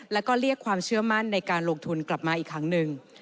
แล้วก็เรียกความเชื่อมั่นในการลงทุนกลับมาอีกครั้งหนึ่ง